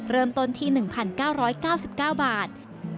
เริ่มต้นที่๑๙๙๙บาท